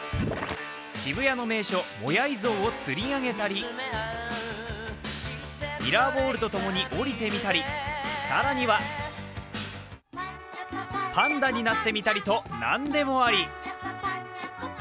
渋谷の名所、モヤイ像を釣り上げたりミラーボールとともに降りてみたり、更にはパンダになってみたりと、何でもあり。